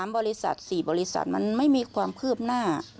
บริษัท๔บริษัทมันไม่มีความคืบหน้า